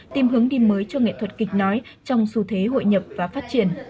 tìm hướng đi mới cho nghệ thuật kịch nói trong xu thế hội nhập và phát triển